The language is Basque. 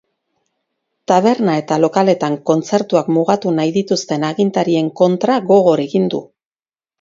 Taberna eta lokaletan kontzertuak mugatu nahi dituzten agintarien kontra gogor egin du.